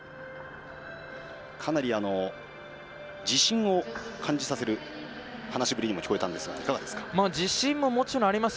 かなり自信を感じさせる話しぶりにも聞こえたんですが自信ももちろんあります。